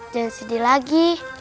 jangan sedih lagi